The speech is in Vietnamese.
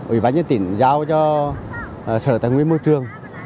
ubnd tỉnh giao cho sở tài nguyên môi trường